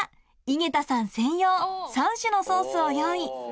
井桁さん専用３種のソースを用意